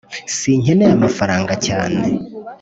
sinkeneye amafaranga cyane